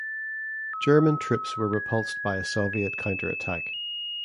German troops were repulsed by a Soviet counterattack.